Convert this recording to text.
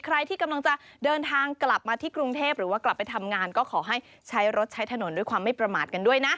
ใครที่กำลังจะเดินทางกลับมาที่กรุงเทพหรือว่ากลับไปทำงานก็ขอให้ใช้รถใช้ถนนด้วยความไม่ประมาทกันด้วยนะ